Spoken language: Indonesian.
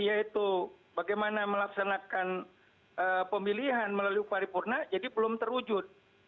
yaitu bagaimana melaksanakan pemilihan melalui paripurna jadi belum terwujud